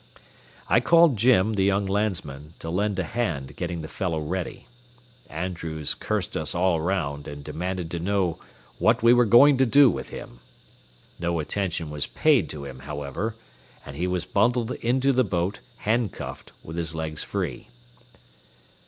I called Jim, the young landsman, to lend a hand getting the fellow ready. Andrews cursed us all around and demanded to know what we were going to do with him. No attention was paid to him, however, and he was bundled into the boat, handcuffed, with his legs free.